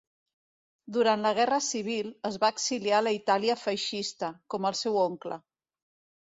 Durant la Guerra civil, es va exiliar a la Itàlia feixista, com el seu oncle.